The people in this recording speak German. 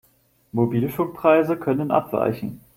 Mobilfunkpreise können abweichen.